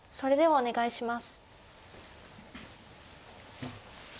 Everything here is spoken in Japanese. お願いします。